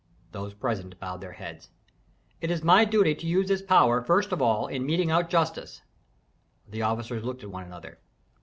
Those present bowed their heads. "It is my duty to use this power first of all in meting out justice." The officers looked at one another.